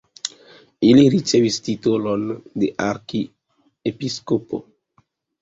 Ili ricevis titolon de arkiepiskopo.